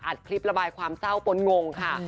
อัดคลิประบายความเศร้าป้นงค่ะ